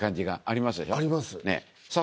あります。